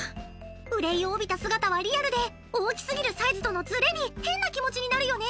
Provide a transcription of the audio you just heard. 憂いを帯びた姿はリアルで大きすぎるサイズとのずれに変な気持ちになるよね。